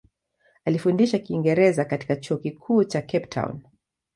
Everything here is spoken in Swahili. Alifundisha Kiingereza katika Chuo Kikuu cha Cape Town.